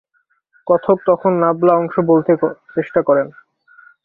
কথক তখন নাবলা অংশ বলতে চেষ্টা করেন।